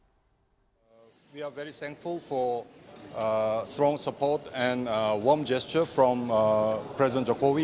kami sangat berterima kasih atas dukungan yang kuat dan pergerakan yang hangat dari presiden jokowi